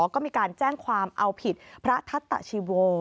ก็มีการแจ้งความเอาผิดพระทัตตชีโว